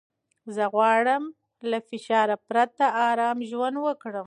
زه غواړم له فشار پرته ارامه ژوند وکړم.